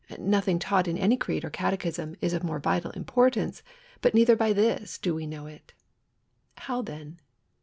Nothing taught in any creed or catechism is of more vital importance; but neither by this do we know it. How then?